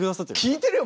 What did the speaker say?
聴いてるよ！